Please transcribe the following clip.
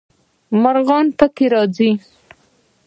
مرغان پکې راځي.